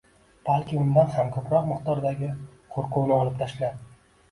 balki undan ham koʻproq miqdordagi qoʻrquvni olib tashlab